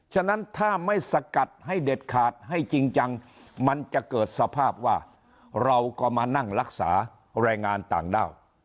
ฉะนั้นถ้าไม่สกัดให้เด็ดขาดให้จริงจังมันจะเกิดสภาพว่าเราก็มานั่งรักษาแรงงานต่างด้าว